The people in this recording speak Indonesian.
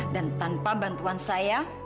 dan tanpa bantuan saya